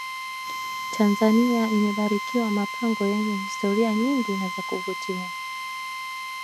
tanzania imebarikiwa mapango yenye historia nyingi na za kuvutia